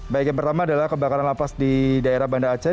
baik yang pertama adalah kebakaran lapas di daerah banda aceh